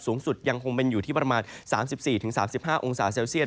สูงสุดยังคงเป็นอยู่ที่ประมาณ๓๔๓๕องศาเซลเซียต